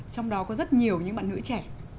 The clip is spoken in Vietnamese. trong đó có rất nhiều những bạn nữ trẻ